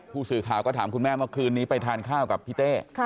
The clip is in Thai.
ผู้สื่อข่าวก็ถามคุณแม่เมื่อคืนนี้ไปทานข้าวกับพี่เต้